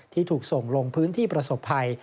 ที่ถูกส่งลงพื้นที่ประสบภัย